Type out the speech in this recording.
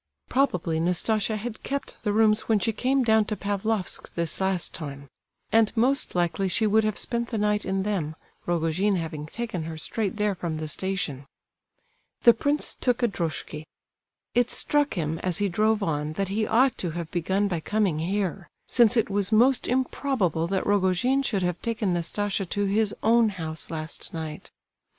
Probably Nastasia had kept the rooms when she came down to Pavlofsk this last time; and most likely she would have spent the night in them, Rogojin having taken her straight there from the station. The prince took a droshky. It struck him as he drove on that he ought to have begun by coming here, since it was most improbable that Rogojin should have taken Nastasia to his own house last night.